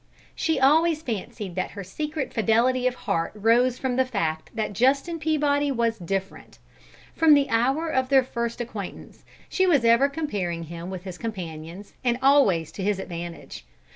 She always fancied that her secret fidelity of heart rose from the fact that Justin Peabody was "different." From the hour of their first acquaintance, she was ever comparing him with his companions, and always to his advantage.